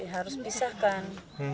kita harus pisahkan